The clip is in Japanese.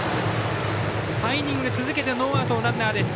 ３イニング続けてノーアウトのランナーです。